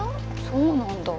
そうなんだ。